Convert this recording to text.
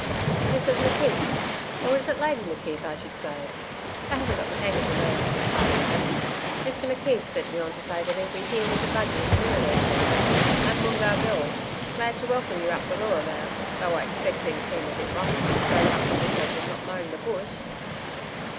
'Mrs McKeith or is it Lady McKeith I should say I haven't got the hang of the name if you'll pardon me Mr McKeith sent me on to say that he'll be here with the buggy in a minute or two.... I'm Moongarr Bill.... Glad to welcome you up the Leura, ma'am, though I expect things seem a bit rough to you straight out from England and not knowing the Bush.'